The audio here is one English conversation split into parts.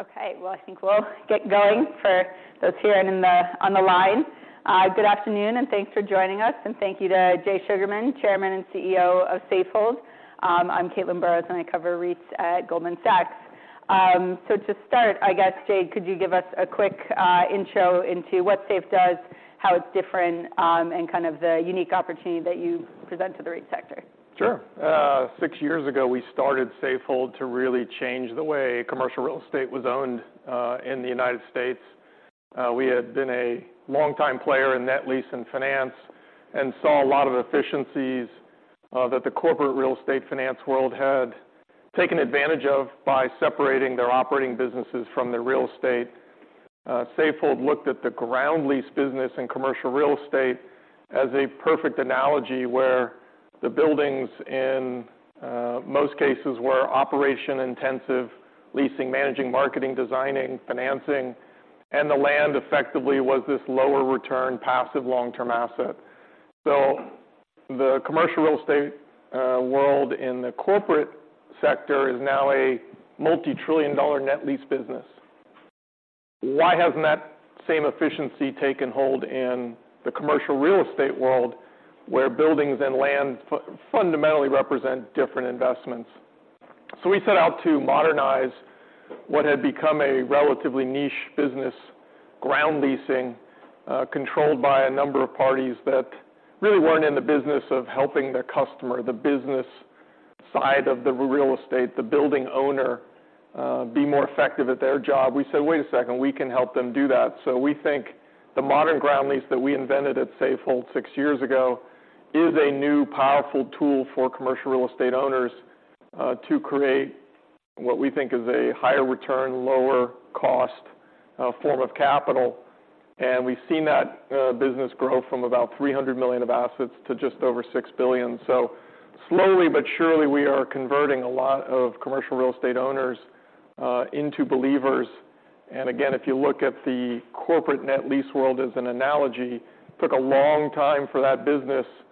Okay, well, I think we'll get going for those here and on the line. Good afternoon, and thanks for joining us, and thank you to Jay Sugarman, Chairman and CEO of Safehold. I'm Caitlin Burrows, and I cover REITs at Goldman Sachs. So to start, I guess, Jay, could you give us a quick intro into what Safe does, how it's different, and kind of the unique opportunity that you present to the REIT sector? Sure. Six years ago, we started Safehold to really change the way commercial real estate was owned in the United States. We had been a longtime player in net lease and finance and saw a lot of efficiencies that the corporate real estate finance world had taken advantage of by separating their operating businesses from their real estate. Safehold looked at the ground lease business and commercial real estate as a perfect analogy, where the buildings, in most cases, were operation-intensive, leasing, managing, marketing, designing, financing, and the land effectively was this lower return, passive, long-term asset. So the commercial real estate world in the corporate sector is now a multi-trillion-dollar net lease business. Why hasn't that same efficiency taken hold in the commercial real estate world, where buildings and land fundamentally represent different investments? So we set out to modernize what had become a relatively niche business, ground leasing, controlled by a number of parties that really weren't in the business of helping their customer, the business side of the real estate, the building owner, be more effective at their job. We said, "Wait a second, we can help them do that." So we think the modern ground lease that we invented at Safehold six years ago is a new, powerful tool for commercial real estate owners, to create what we think is a higher return, lower cost, form of capital. And we've seen that, business grow from about $300 million of assets to just over $6 billion. So slowly but surely, we are converting a lot of commercial real estate owners, into believers. And again, if you look at the corporate net lease world as an analogy, it took a long time for that business to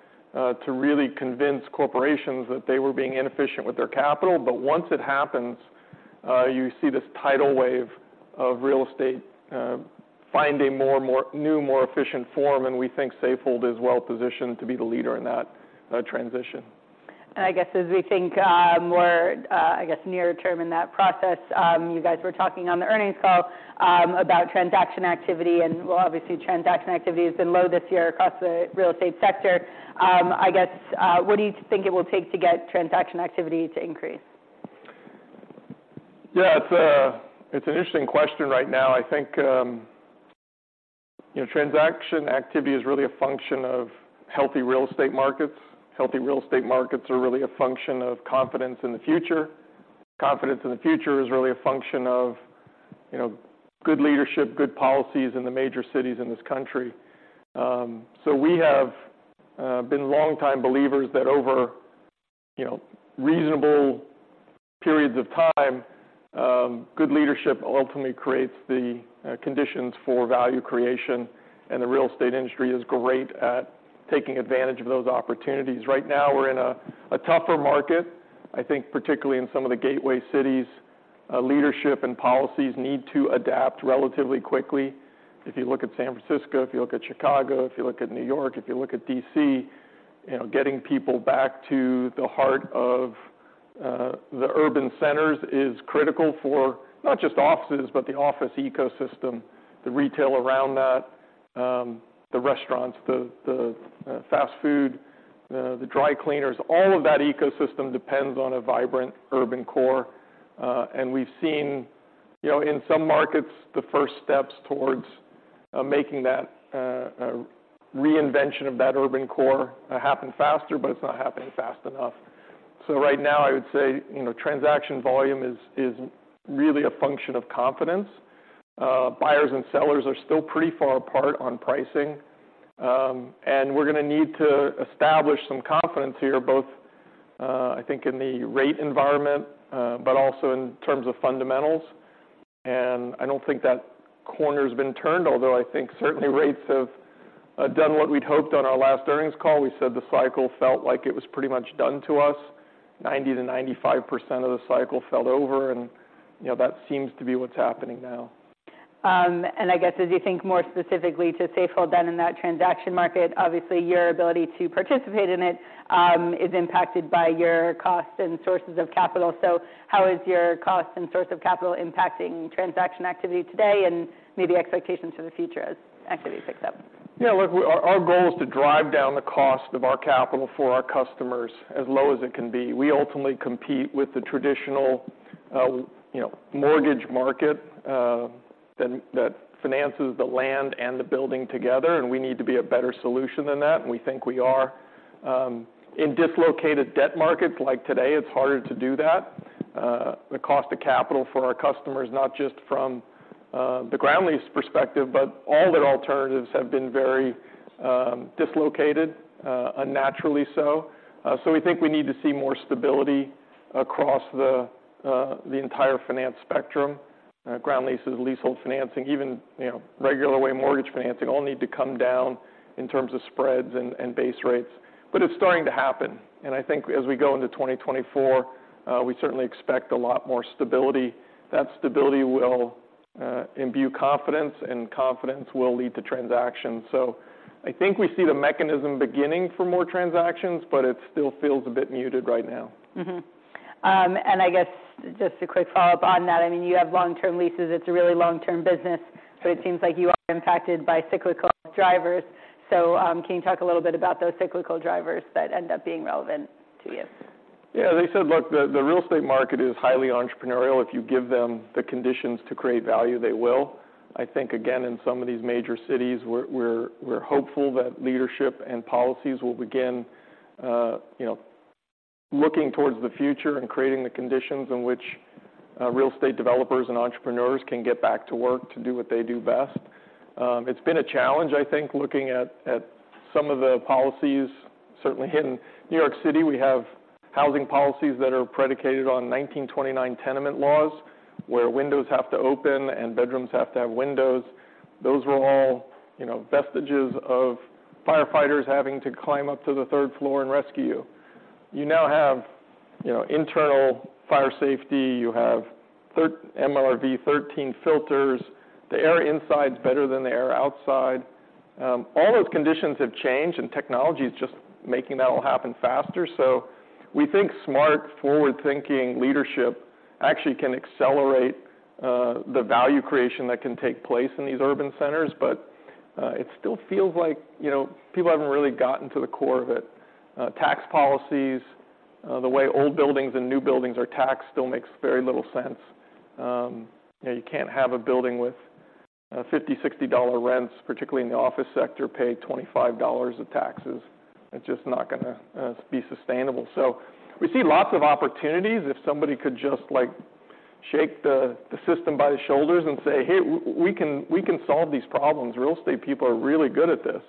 really convince corporations that they were being inefficient with their capital. But once it happens, you see this tidal wave of real estate find a more, more... new, more efficient form, and we think Safehold is well-positioned to be the leader in that transition. I guess as we think more, I guess, near term in that process, you guys were talking on the earnings call about transaction activity, and well, obviously, transaction activity has been low this year across the real estate sector. I guess, what do you think it will take to get transaction activity to increase? Yeah, it's an interesting question right now. I think you know, transaction activity is really a function of healthy real estate markets. Healthy real estate markets are really a function of confidence in the future. Confidence in the future is really a function of you know, good leadership, good policies in the major cities in this country. So we have been longtime believers that over you know, reasonable periods of time, good leadership ultimately creates the conditions for value creation, and the real estate industry is great at taking advantage of those opportunities. Right now, we're in a tougher market. I think particularly in some of the gateway cities, leadership and policies need to adapt relatively quickly. If you look at San Francisco, if you look at Chicago, if you look at New York, if you look at DC, you know, getting people back to the heart of the urban centers is critical for not just offices, but the office ecosystem, the retail around that, the restaurants, the fast food, the dry cleaners, all of that ecosystem depends on a vibrant urban core. And we've seen, you know, in some markets, the first steps towards making that reinvention of that urban core happen faster, but it's not happening fast enough. So right now, I would say, you know, transaction volume is really a function of confidence. Buyers and sellers are still pretty far apart on pricing, and we're gonna need to establish some confidence here, both, I think in the rate environment, but also in terms of fundamentals. And I don't think that corner's been turned, although I think certainly rates have done what we'd hoped. On our last earnings call, we said the cycle felt like it was pretty much done to us. 90% to 95% of the cycle felt over, and, you know, that seems to be what's happening now. And I guess, as you think more specifically to Safehold, then, in that transaction market, obviously, your ability to participate in it is impacted by your cost and sources of capital. So how is your cost and source of capital impacting transaction activity today and maybe expectations for the future as activity picks up? Yeah, look, our goal is to drive down the cost of our capital for our customers as low as it can be. We ultimately compete with the traditional, you know, mortgage market that finances the land and the building together, and we need to be a better solution than that, and we think we are. In dislocated debt markets like today, it's harder to do that. The cost of capital for our customers, not just from the ground lease perspective, but all their alternatives have been very dislocated, unnaturally so. So we think we need to see more stability across the entire finance spectrum. Ground leases, leasehold financing, even, you know, regular way mortgage financing, all need to come down in terms of spreads and base rates. But it's starting to happen, and I think as we go into 2024, we certainly expect a lot more stability. That stability will imbue confidence, and confidence will lead to transactions. So I think we see the mechanism beginning for more transactions, but it still feels a bit muted right now. Mm-hmm. And I guess just a quick follow-up on that, I mean, you have long-term leases. It's a really long-term business, so it seems like you are impacted by cyclical drivers. So, can you talk a little bit about those cyclical drivers that end up being relevant to you? Yeah, they said, look, the real estate market is highly entrepreneurial. If you give them the conditions to create value, they will. I think, again, in some of these major cities, we're hopeful that leadership and policies will begin, you know, looking towards the future and creating the conditions in which real estate developers and entrepreneurs can get back to work to do what they do best. It's been a challenge, I think, looking at some of the policies. Certainly, in New York City, we have housing policies that are predicated on 1929 tenement laws, where windows have to open and bedrooms have to have windows. Those were all, you know, vestiges of firefighters having to climb up to the third floor and rescue you. You now have, you know, internal fire safety, you have MERV-13 filters. The air inside's better than the air outside. All those conditions have changed, and technology is just making that all happen faster. So we think smart, forward-thinking leadership actually can accelerate the value creation that can take place in these urban centers. But it still feels like, you know, people haven't really gotten to the core of it. Tax policies, the way old buildings and new buildings are taxed still makes very little sense. You know, you can't have a building with $50 to 60 rents, particularly in the office sector, pay $25 of taxes. It's just not gonna be sustainable. So we see lots of opportunities. If somebody could just, like, shake the system by the shoulders and say, "Hey, we can, we can solve these problems." Real estate people are really good at this,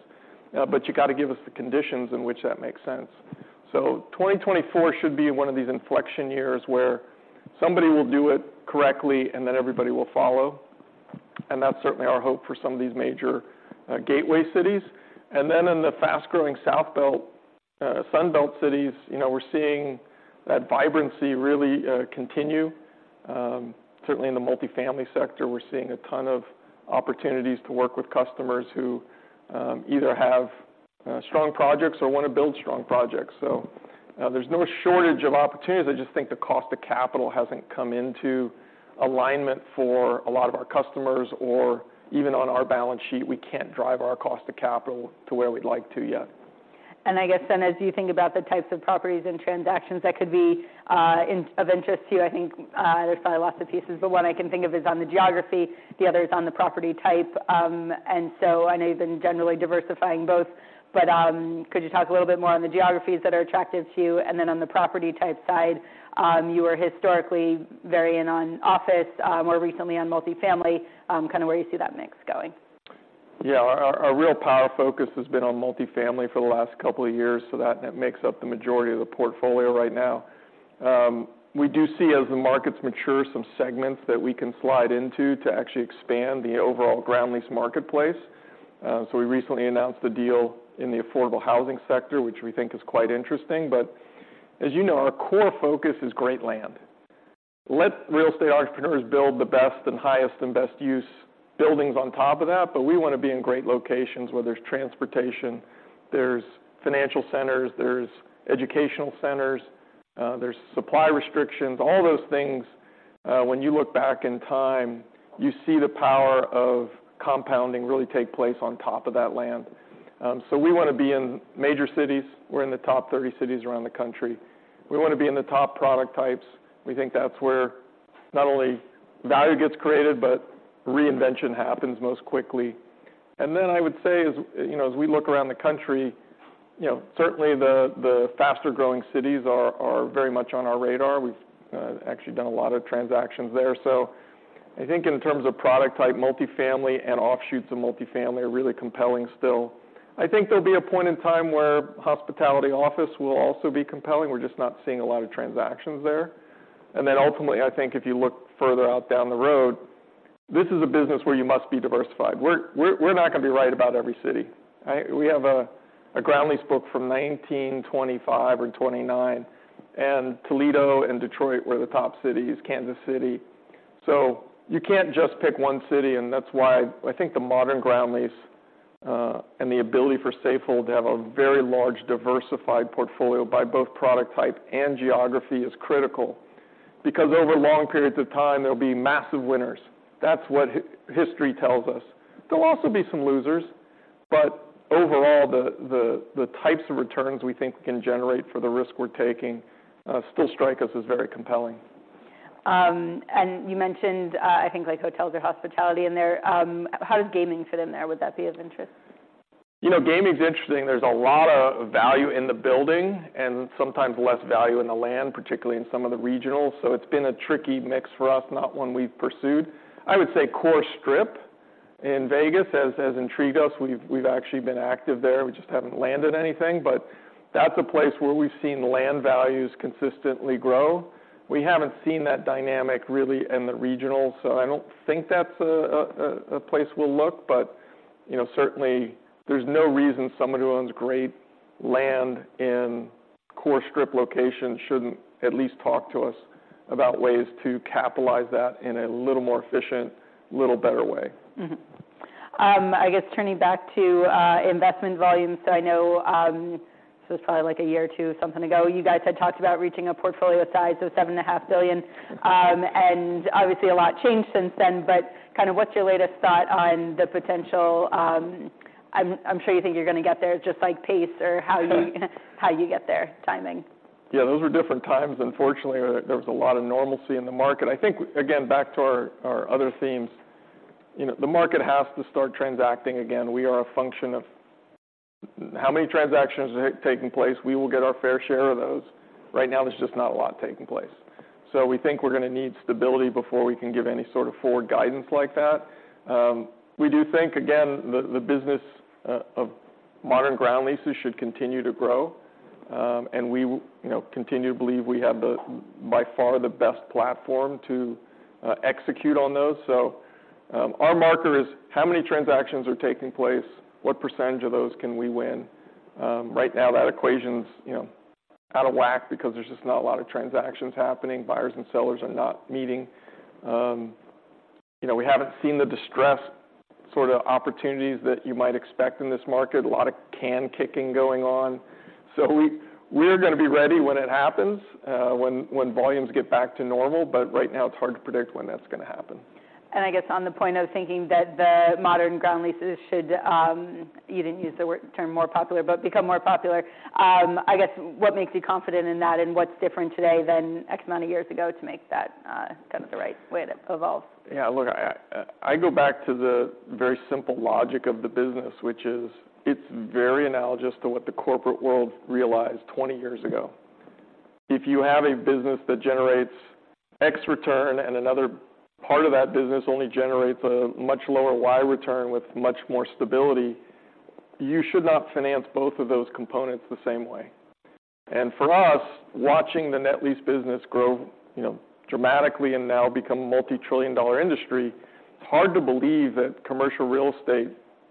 but you got to give us the conditions in which that makes sense. So 2024 should be one of these inflection years where somebody will do it correctly, and then everybody will follow, and that's certainly our hope for some of these major, gateway cities. And then in the fast-growing Sun Belt cities, you know, we're seeing that vibrancy really, continue. Certainly, in the multifamily sector, we're seeing a ton of opportunities to work with customers who, either have, strong projects or want to build strong projects. So, there's no shortage of opportunities. I just think the cost of capital hasn't come into alignment for a lot of our customers, or even on our balance sheet, we can't drive our cost of capital to where we'd like to, yet. And I guess then, as you think about the types of properties and transactions that could be of interest to you, I think there's probably lots of pieces, but one I can think of is on the geography, the other is on the property type. And so, I know you've been generally diversifying both, but could you talk a little bit more on the geographies that are attractive to you? And then on the property type side, you are historically very in on office, more recently on multifamily, kind of where you see that mix going. Yeah. Our real power focus has been on multifamily for the last couple of years, so that makes up the majority of the portfolio right now. We do see, as the markets mature, some segments that we can slide into to actually expand the overall ground lease marketplace. So, we recently announced the deal in the affordable housing sector, which we think is quite interesting. But as you know, our core focus is great land. Let real estate entrepreneurs build the best and highest and best use buildings on top of that, but we wanna be in great locations where there's transportation, there's financial centers, there's educational centers, there's supply restrictions, all those things, when you look back in time, you see the power of compounding really take place on top of that land. So, we wanna be in major cities. We're in the top 30 cities around the country. We wanna be in the top product types. We think that's where not only value gets created, but reinvention happens most quickly. And then I would say, as you know, as we look around the country, you know, certainly the faster-growing cities are very much on our radar. We've actually done a lot of transactions there. So I think in terms of product type, multifamily and offshoots of multifamily are really compelling still. I think there'll be a point in time were hospitality, office will also be compelling. We're just not seeing a lot of transactions there. And then ultimately, I think if you look further out down the road, this is a business where you must be diversified. We're not gonna be right about every city, right? We have a ground lease book from 1925 or 1929, and Toledo and Detroit were the top cities, Kansas City. So you can't just pick one city, and that's why I think the modern ground lease and the ability for Safehold to have a very large, diversified portfolio by both product type and geography is critical. Because over long periods of time, there'll be massive winners. That's what history tells us. There'll also be some losers, but overall, the types of returns we think we can generate for the risk we're taking still strike us as very compelling. You mentioned, I think like hotels or hospitality in there. How does gaming fit in there? Would that be of interest? You know, gaming's interesting. There's a lot of value in the building and sometimes less value in the land, particularly in some of the regionals, so it's been a tricky mix for us, not one we've pursued. I would say core Strip in Vegas has intrigued us. We've actually been active there. We just haven't landed anything, but that's a place where we've seen land values consistently grow. We haven't seen that dynamic really in the regional, so I don't think that's a place we'll look, but, you know, certainly there's no reason someone who owns great land in core Strip location shouldn't at least talk to us about ways to capitalize that in a little more efficient, little better way. Mm-hmm. I guess turning back to investment volumes, I know, so it's probably like a year or two, something ago, you guys had talked about reaching a portfolio size of $7.5 billion. And obviously, a lot changed since then, but kind of what's your latest thought on the potential. I'm sure you think you're gonna get there, just like pace or how you, how you get there, timing. Yeah, those were different times. Unfortunately, there was a lot of normalcy in the market. I think, again, back to our other themes, you know, the market has to start transacting again. We are a function of how many transactions are taking place. We will get our fair share of those. Right now, there's just not a lot taking place. So we think we're gonna need stability before we can give any sort of forward guidance like that. We do think, again, the business of modern ground leases should continue to grow. And we, you know, continue to believe we have the, by far, the best platform to execute on those. So, our marker is how many transactions are taking place? What percentage of those can we win? Right now, that equation's, you know, out of whack because there's just not a lot of transactions happening. Buyers and sellers are not meeting. You know, we haven't seen the distressed sort of opportunities that you might expect in this market. A lot of can kicking going on. So we're gonna be ready when it happens, when volumes get back to normal, but right now, it's hard to predict when that's gonna happen. And I guess on the point of thinking that the modern ground leases should, you didn't use the word-term more popular, but become more popular. I guess, what makes you confident in that, and what's different today than X amount of years ago to make that kind of the right way to evolve? Yeah, look, I go back to the very simple logic of the business, which is, it's very analogous to what the corporate world realized 20 years ago. If you have a business that generates X return, and another part of that business only generates a much lower Y return with much more stability, you should not finance both of those components the same way. And for us, watching the net lease business grow, you know, dramatically and now become a multi-trillion-dollar industry, it's hard to believe that commercial real estate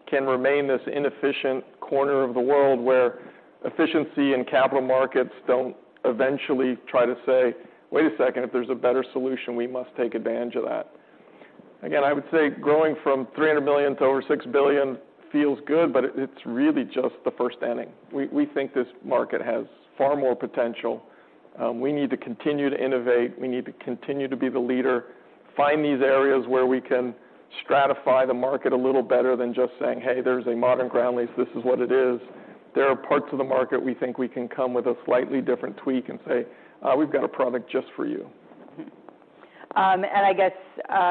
can remain this inefficient corner of the world, where efficiency and capital markets don't eventually try to say, "Wait a second, if there's a better solution, we must take advantage of that." Again, I would say growing from $300 million to over $6 billion feels good, but it's really just the first inning. We think this market has far more potential. We need to continue to innovate. We need to continue to be the leader, find these areas where we can stratify the market a little better than just saying, "Hey, there's a modern ground lease. This is what it is." There are parts of the market we think we can come with a slightly different tweak and say, "We've got a product just for you. I guess,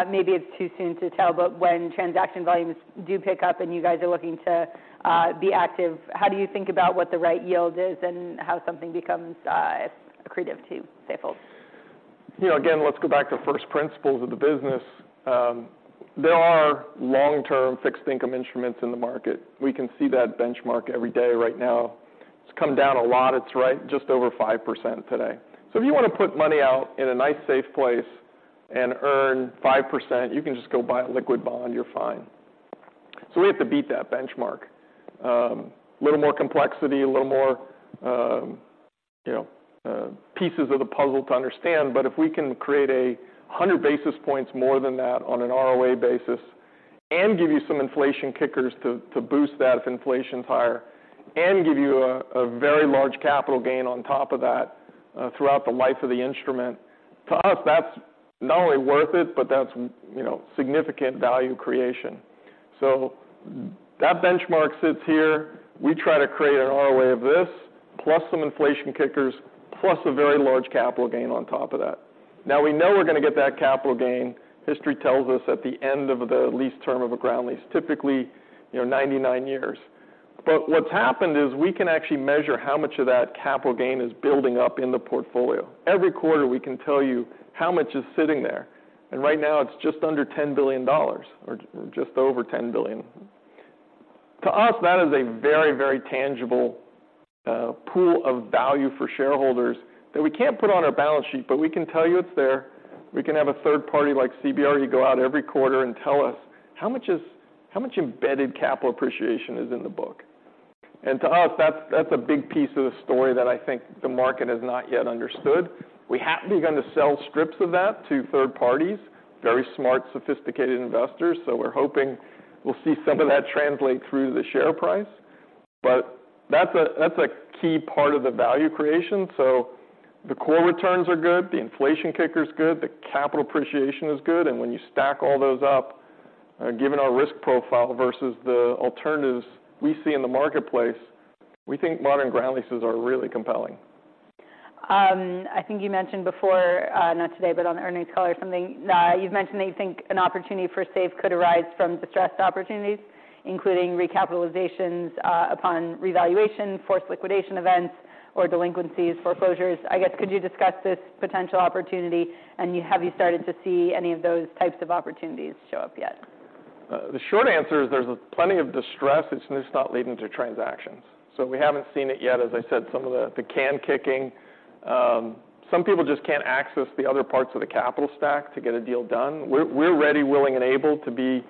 maybe it's too soon to tell, but when transaction volumes do pick up and you guys are looking to be active, how do you think about what the right yield is and how something becomes accretive to Safehold's? You know, again, let's go back to first principles of the business. There are long-term fixed income instruments in the market. We can see that benchmark every day right now. It's come down a lot. It's right just over 5% today. So if you want to put money out in a nice, safe place and earn 5%, you can just go buy a liquid bond, you're fine. So we have to beat that benchmark. A little more complexity, a little more, you know, pieces of the puzzle to understand. But if we can create 100 basis points more than that on an ROA basis and give you some inflation kickers to boost that if inflation's higher, and give you a very large capital gain on top of that throughout the life of the instrument, to us, that's not only worth it, but that's, you know, significant value creation. So that benchmark sits here. We try to create an ROA of this, plus some inflation kickers, plus a very large capital gain on top of that. Now, we know we're gonna get that capital gain, history tells us, at the end of the lease term of a ground lease, typically, you know, 99 years. But what's happened is, we can actually measure how much of that capital gain is building up in the portfolio. Every quarter, we can tell you how much is sitting there, and right now it's just under $10 billion or just over $10 billion. To us, that is a very, very tangible pool of value for shareholders that we can't put on our balance sheet, but we can tell you it's there. We can have a third party like CBRE go out every quarter and tell us, "How much embedded capital appreciation is in the book?" And to us, that's a big piece of the story that I think the market has not yet understood. We have begun to sell strips of that to third parties, very smart, sophisticated investors, so we're hoping we'll see some of that translate through the share price. But that's a key part of the value creation. So the core returns are good, the inflation kicker is good, the capital appreciation is good, and when you stack all those up, given our risk profile versus the alternatives we see in the marketplace, we think modern ground leases are really compelling. I think you mentioned before, not today, but on the earnings call or something. You've mentioned that you think an opportunity for SAFE could arise from distressed opportunities, including recapitalizations, upon revaluation, forced liquidation events, or delinquencies, foreclosures. I guess, could you discuss this potential opportunity, and have you started to see any of those types of opportunities show up yet? The short answer is there's plenty of distress, it's just not leading to transactions. So we haven't seen it yet. As I said, some of the can kicking, some people just can't access the other parts of the capital stack to get a deal done. We're ready, willing, and able to be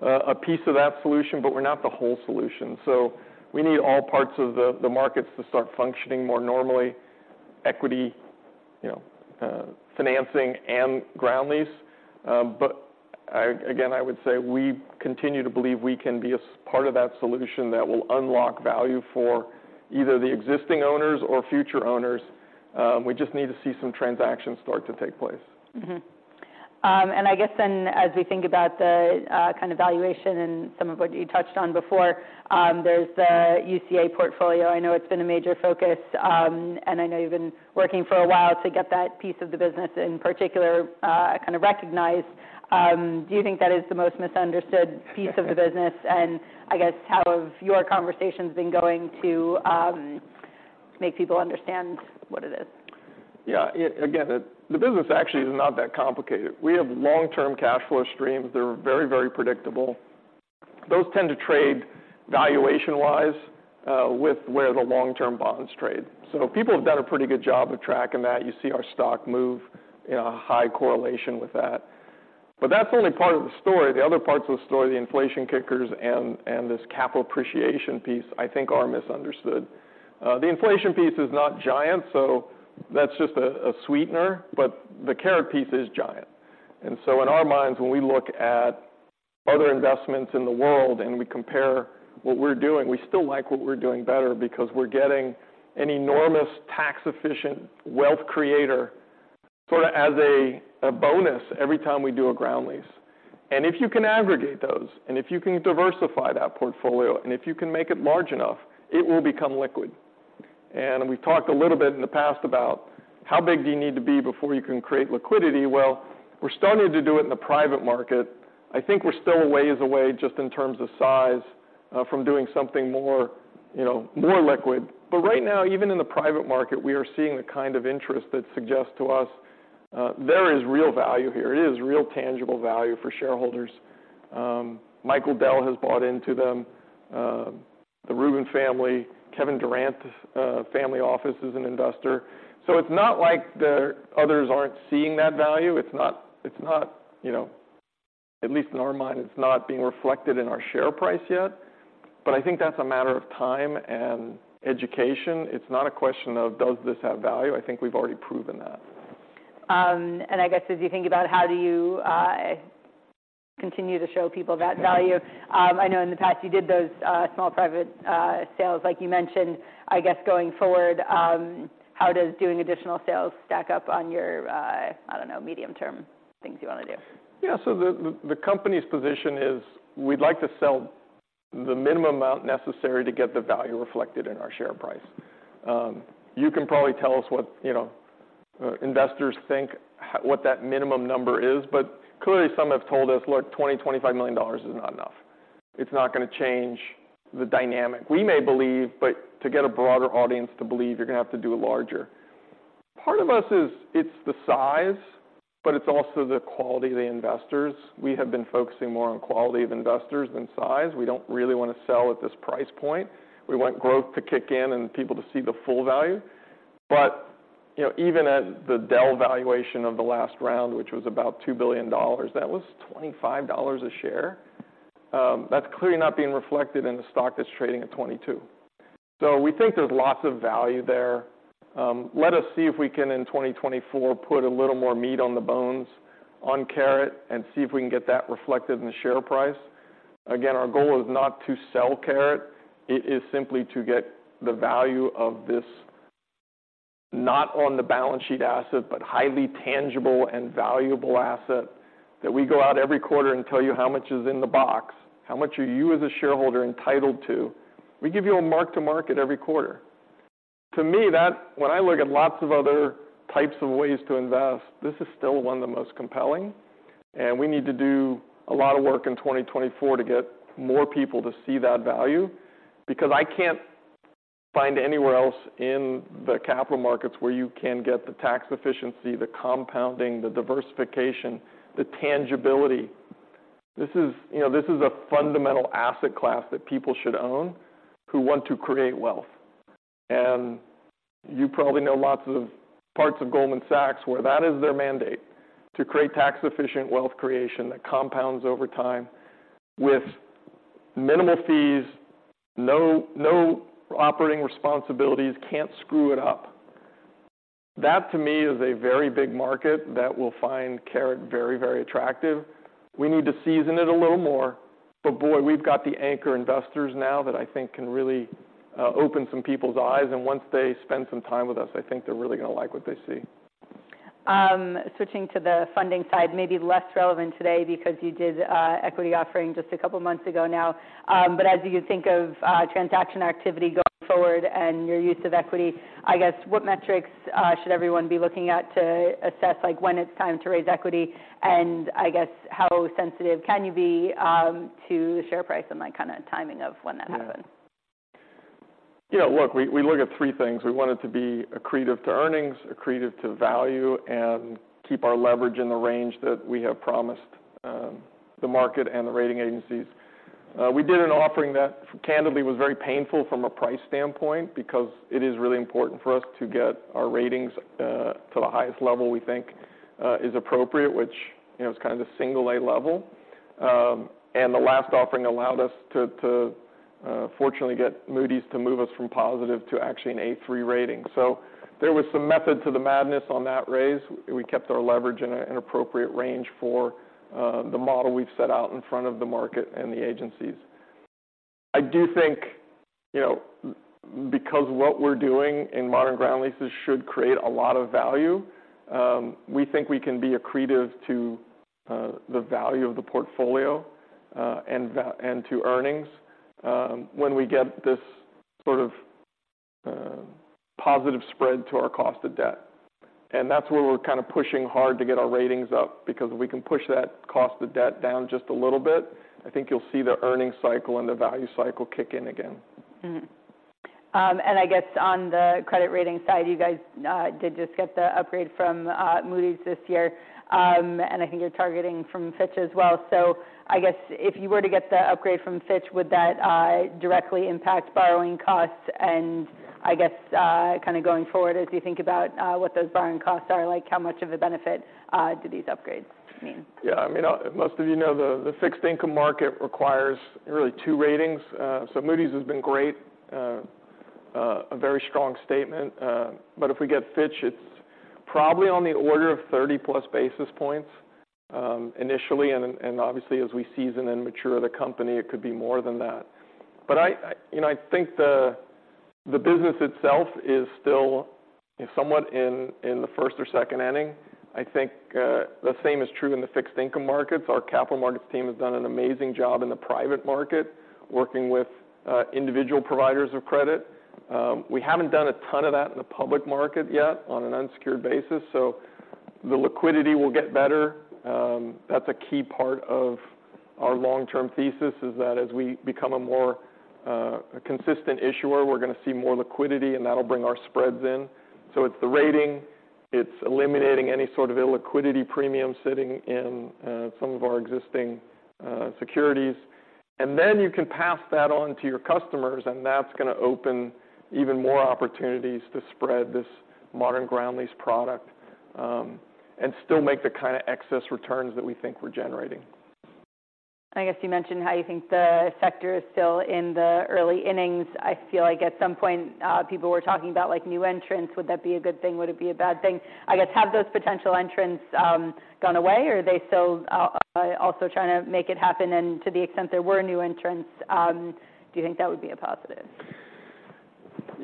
a piece of that solution, but we're not the whole solution. So we need all parts of the markets to start functioning more normally, equity, you know, financing and ground lease. But again, I would say we continue to believe we can be a part of that solution that will unlock value for either the existing owners or future owners. We just need to see some transactions start to take place. Mm-hmm. And I guess then, as we think about the kind of valuation and some of what you touched on before, there's the UCA portfolio. I know it's been a major focus, and I know you've been working for a while to get that piece of the business in particular kind of recognized. Do you think that is the most misunderstood piece of the business? And I guess, how have your conversations been going to make people understand what it is? Yeah, again, the business actually is not that complicated. We have long-term cash flow streams that are very, very predictable. Those tend to trade valuation-wise with where the long-term bonds trade. So people have done a pretty good job of tracking that. You see our stock move in a high correlation with that. But that's only part of the story. The other parts of the story, the inflation kickers and this capital appreciation piece, I think are misunderstood. The inflation piece is not giant, so that's just a sweetener, but the CARET piece is giant. And so in our minds, when we look at other investments in the world, and we compare what we're doing, we still like what we're doing better because we're getting an enormous tax-efficient wealth creator sort of as a bonus every time we do a ground lease. And if you can aggregate those, and if you can diversify that portfolio, and if you can make it large enough, it will become liquid. And we've talked a little bit in the past about how big do you need to be before you can create liquidity? Well, we're starting to do it in the private market. I think we're still a ways away, just in terms of size, from doing something more, you know, more liquid. But right now, even in the private market, we are seeing the kind of interest that suggests to us, there is real value here. It is real tangible value for shareholders. Michael Dell has bought into them, the Rubin family. Kevin Durant, family office is an investor. So it's not like the others aren't seeing that value. It's not. It's not, you know... At least in our mind, it's not being reflected in our share price yet, but I think that's a matter of time and education. It's not a question of, does this have value? I think we've already proven that. And I guess, as you think about how do you continue to show people that value, I know in the past you did those small private sales, like you mentioned. I guess going forward, how does doing additional sales stack up on your, I don't know, medium-term things you want to do? Yeah. So the company's position is: We'd like to sell the minimum amount necessary to get the value reflected in our share price. You can probably tell us what, you know, investors think, what that minimum number is, but clearly, some have told us, "Look, $20 to 25 million is not enough. It's not gonna change the dynamic. We may believe, but to get a broader audience to believe, you're gonna have to do it larger." Part of us is, it's the size, but it's also the quality of the investors. We have been focusing more on quality of investors than size. We don't really want to sell at this price point. We want growth to kick in and people to see the full value. But, you know, even at the Dell valuation of the last round, which was about $2 billion, that was $25 a share. That's clearly not being reflected in the stock that's trading at $22. So we think there's lots of value there. Let us see if we can, in 2024, put a little more meat on the bones on CARET and see if we can get that reflected in the share price. Again, our goal is not to sell CARET. It is simply to get the value of this, not on the balance sheet asset, but highly tangible and valuable asset, that we go out every quarter and tell you how much is in the box, how much are you, as a shareholder, entitled to. We give you a mark-to-market every quarter. To me, that, when I look at lots of other types of ways to invest, this is still one of the most compelling, and we need to do a lot of work in 2024 to get more people to see that value because I can't find anywhere else in the capital markets where you can get the tax efficiency, the compounding, the diversification, the tangibility. This is, you know, this is a fundamental asset class that people should own who want to create wealth. And you probably know lots of parts of Goldman Sachs, where that is their mandate: to create tax-efficient wealth creation that compounds over time with minimal fees, no, no operating responsibilities, can't screw it up. That, to me, is a very big market that will find CARET very, very attractive. We need to season it a little more, but boy, we've got the anchor investors now that I think can really open some people's eyes, and once they spend some time with us, I think they're really gonna like what they see. Switching to the funding side, maybe less relevant today because you did a equity offering just a couple of months ago now. But as you think of, transaction activity going forward and your use of equity, I guess, what metrics should everyone be looking at to assess, like, when it's time to raise equity? And I guess, how sensitive can you be, to the share price and, like, kind of timing of when that happens? Yeah. Look, we, we look at three things. We want it to be accretive to earnings, accretive to value, and keep our leverage in the range that we have promised, the market and the rating agencies. We did an offering that, candidly, was very painful from a price standpoint because it is really important for us to get our ratings, to the highest level we think, is appropriate, which, you know, is kind of the single A level. And the last offering allowed us to, to, fortunately, get Moody's to move us from positive to actually an A3 rating. So there was some method to the madness on that raise. We kept our leverage in a, an appropriate range for, the model we've set out in front of the market and the agencies. I do think, you know, because what we're doing in modern ground leases should create a lot of value, we think we can be accretive to the value of the portfolio, and to earnings, when we get this sort of positive spread to our cost of debt. And that's where we're kind of pushing hard to get our ratings up, because if we can push that cost of debt down just a little bit, I think you'll see the earnings cycle and the value cycle kick in again. Mm-hmm. And I guess on the credit rating side, you guys did just get the upgrade from Moody's this year. And I think you're targeting from Fitch as well. So I guess if you were to get the upgrade from Fitch, would that directly impact borrowing costs? And I guess, kind of going forward, as you think about what those borrowing costs are like, how much of a benefit do these upgrades mean? Yeah, I mean, most of you know, the fixed income market requires really two ratings. So Moody's has been great, a very strong statement. But if we get Fitch, it's probably on the order of 30+ basis points, initially, and then and obviously, as we season and mature the company, it could be more than that. But I, you know, I think the business itself is still somewhat in the first or second inning. I think the same is true in the fixed income markets. Our capital markets team has done an amazing job in the private market, working with individual providers of credit. We haven't done a ton of that in the public market yet on an unsecured basis, so the liquidity will get better. That's a key part of our long-term thesis, is that as we become a more consistent issuer, we're gonna see more liquidity, and that'll bring our spreads in. So it's the rating, it's eliminating any sort of illiquidity premium sitting in some of our existing securities. And then you can pass that on to your customers, and that's gonna open even more opportunities to spread this modern ground lease product, and still make the kind of excess returns that we think we're generating. I guess you mentioned how you think the sector is still in the early innings. I feel like at some point, people were talking about, like, new entrants. Would that be a good thing? Would it be a bad thing? I guess, have those potential entrants gone away, or are they still also trying to make it happen? And to the extent there were new entrants, do you think that would be a positive? Yeah,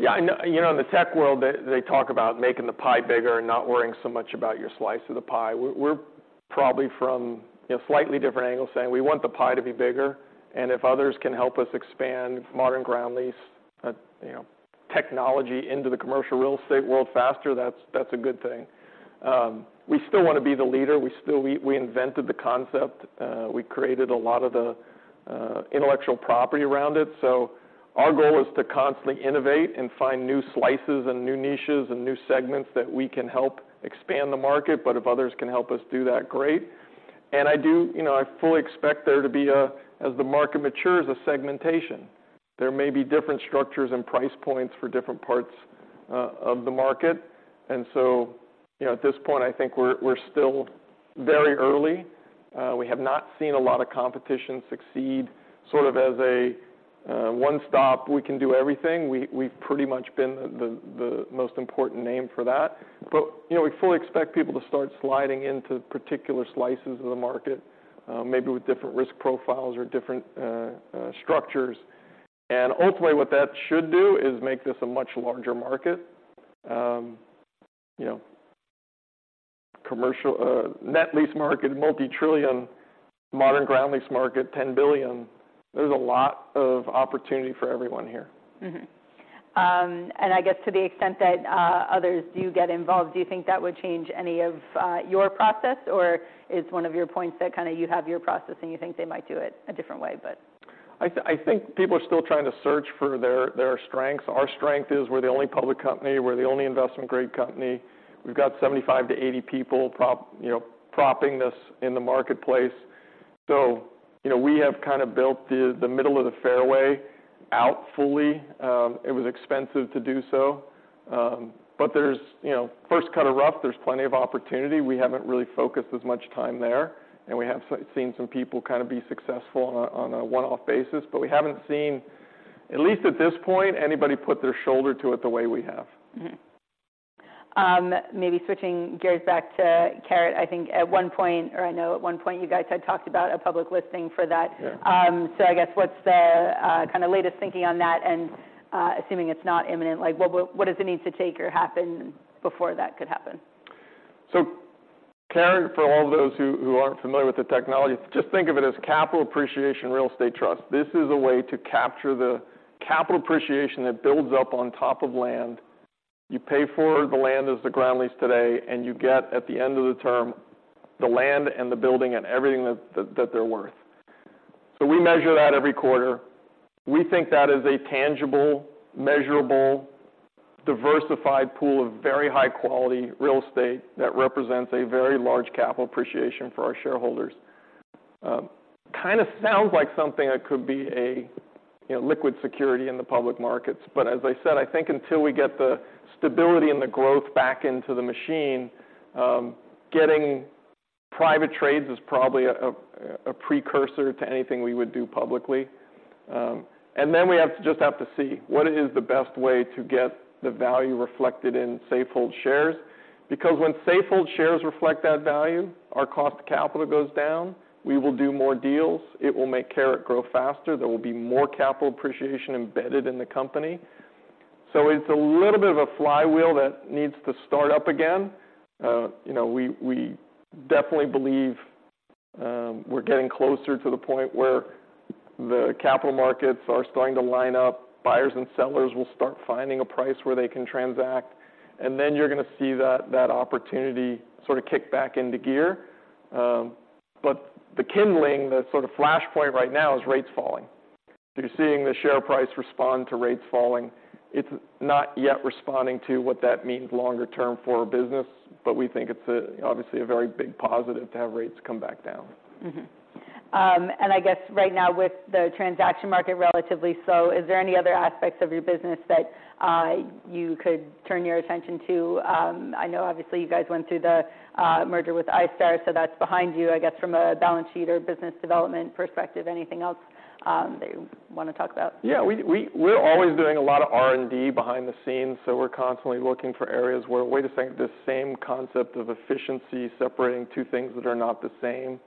I know... You know, in the tech world, they, they talk about making the pie bigger and not worrying so much about your slice of the pie. We're, we're probably from, you know, slightly different angles, saying we want the pie to be bigger, and if others can help us expand modern ground lease, you know, technology into the commercial real estate world faster, that's, that's a good thing. We still want to be the leader, we still- we, we invented the concept, we created a lot of the, intellectual property around it. So our goal is to constantly innovate and find new slices and new niches and new segments that we can help expand the market, but if others can help us do that, great. And I do... You know, I fully expect there to be a, as the market matures, a segmentation. There may be different structures and price points for different parts of the market. So, you know, at this point, I think we're still very early. We have not seen a lot of competition succeed, sort of as a one stop, we can do everything. We've pretty much been the most important name for that. But, you know, we fully expect people to start sliding into particular slices of the market, maybe with different risk profiles or different structures. And ultimately, what that should do is make this a much larger market. You know, commercial net lease market, multi-trillion, modern ground lease market, $10 billion, there's a lot of opportunity for everyone here. Mm-hmm. And I guess to the extent that others do get involved, do you think that would change any of your process, or is one of your points that kind of you have your process, and you think they might do it a different way, but? I think people are still trying to search for their strengths. Our strength is we're the only public company, we're the only investment-grade company. We've got 75-80 people propping this in the marketplace. So, you know, we have kind of built the middle of the fairway out fully. It was expensive to do so, but there's, you know, first cut of rough, there's plenty of opportunity. We haven't really focused as much time there, and we have seen some people kind of be successful on a one-off basis, but we haven't seen, at least at this point, anybody put their shoulder to it the way we have. Mm-hmm. Maybe switching gears back to CARET. I think at one point, or I know at one point, you guys had talked about a public listing for that. Yeah. So I guess what's the kind of latest thinking on that? And assuming it's not imminent, like, what does it need to take or happen before that could happen? So, CARET, for all those who aren't familiar with the technology, just think of it as capital appreciation real estate trust. This is a way to capture the capital appreciation that builds up on top of land. You pay for the land as the ground lease today, and you get, at the end of the term, the land and the building and everything that they're worth. So we measure that every quarter. We think that is a tangible, measurable diversified pool of very high quality real estate that represents a very large capital appreciation for our shareholders. Kind of sounds like something that could be a, you know, liquid security in the public markets. But as I said, I think until we get the stability and the growth back into the machine, getting private trades is probably a precursor to anything we would do publicly. And then we have to just have to see, what is the best way to get the value reflected in Safehold shares? Because when Safehold shares reflect that value, our cost of capital goes down, we will do more deals, it will make CARET grow faster, there will be more capital appreciation embedded in the company. So it's a little bit of a flywheel that needs to start up again. You know, we definitely believe we're getting closer to the point where the capital markets are starting to line up, buyers and sellers will start finding a price where they can transact, and then you're gonna see that opportunity sort of kick back into gear. But the kindling, the sort of flashpoint right now, is rates falling. You're seeing the share price respond to rates falling. It's not yet responding to what that means longer term for our business, but we think it's a, obviously, a very big positive to have rates come back down. Mm-hmm. And I guess right now, with the transaction market relatively slow, is there any other aspects of your business that you could turn your attention to? I know obviously you guys went through the merger with iStar, so that's behind you, I guess, from a balance sheet or business development perspective. Anything else that you wanna talk about? Yeah, we're always doing a lot of R&D behind the scenes, so we're constantly looking for areas where we can think the same concept of efficiency, separating two things that are not the same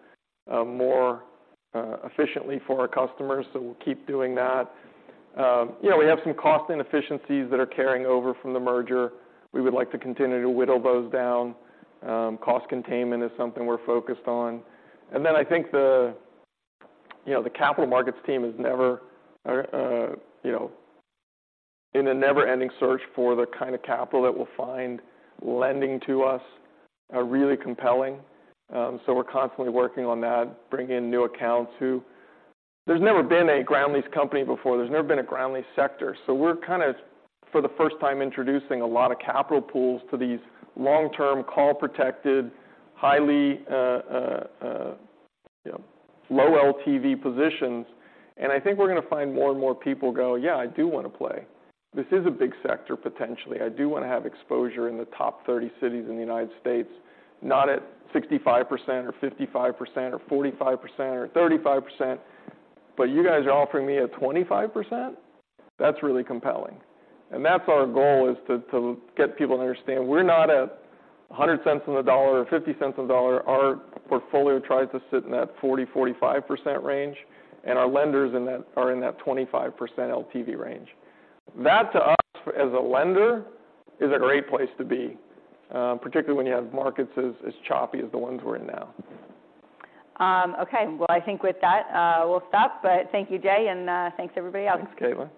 more efficiently for our customers, so we'll keep doing that. You know, we have some cost inefficiencies that are carrying over from the merger. We would like to continue to whittle those down. Cost containment is something we're focused on. And then I think the, you know, the capital markets team is never in a never-ending search for the kind of capital that will find lending to us really compelling. So we're constantly working on that, bringing in new accounts too. There's never been a ground lease company before. There's never been a ground lease sector, so we're kind of, for the first time, introducing a lot of capital pools to these long-term, call protected, highly, you know, low LTV positions. And I think we're gonna find more and more people go, "Yeah, I do wanna play. This is a big sector, potentially. I do wanna have exposure in the top 30 cities in the United States, not at 65% or 55% or 45% or 35%, but you guys are offering me at 25%? That's really compelling." And that's our goal, is to, to get people to understand we're not at 100 cents on the dollar or 50 cents on the dollar. Our portfolio tries to sit in that 40, 45% range, and our lenders in that are in that 25% LTV range. That, to us, as a lender, is a great place to be, particularly when you have markets as choppy as the ones we're in now. Okay. Well, I think with that, we'll stop. But thank you, Jay, and thanks, everybody else. Thanks, Caitlin.